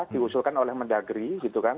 diusulkan oleh mendagri gitu kan